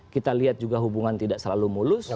kita lihat juga hubungan tidak selalu mulus